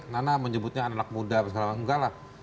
nana menyebutnya anak muda enggak lah